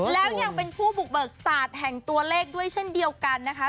แล้วยังเป็นผู้บุกเบิกศาสตร์แห่งตัวเลขด้วยเช่นเดียวกันนะคะ